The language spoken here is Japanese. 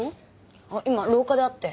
あっ今廊下で会って。